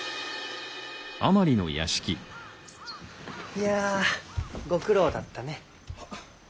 いやあご苦労だったね。